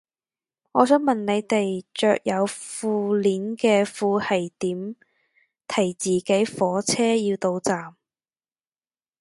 我想問你哋着有褲鏈嘅褲係點提自己火車要到站